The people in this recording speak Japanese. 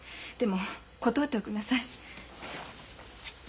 でも断っておくんなさい。